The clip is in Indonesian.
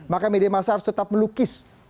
maka media masa harus tetap melukis